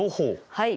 はい。